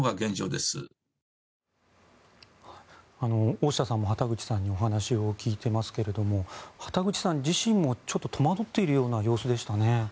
大下さんも畑口さんにお話を聞いていますが畑口さん自身もちょっと戸惑っているような様子でしたね。